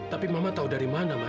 tapi mama tau dari mana mak